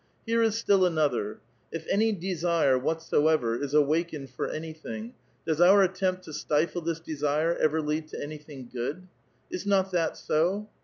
Here is still another : If any desire, whatsoever, is awakened for any thing, does our attempt to stifle this desire ever lead to any thing good? Is not that so?